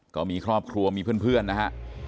ก็มีครอบครัวมีเพื่อนนะฮะ